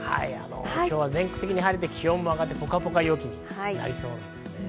今日は全国的に晴れて気温も上がってポカポカ陽気になりそうです。